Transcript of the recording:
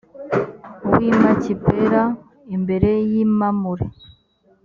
w i makipela imbere y i mamure